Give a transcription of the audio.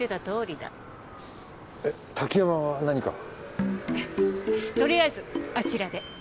とりあえずあちらで。